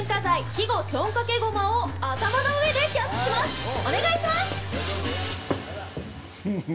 肥後ちょんかけごまを頭の上でキャッチしますお願いします。